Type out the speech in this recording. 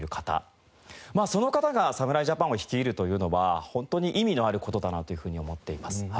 その方が侍ジャパンを率いるというのは本当に意味のある事だなというふうに思っています。